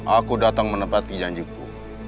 aku datang menepati janjiku